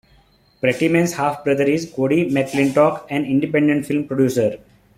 Prettyman's half-brother is Cody McClintock, an independent film producer.